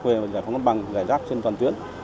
về giải phóng mặt bằng giải rác trên toàn tuyến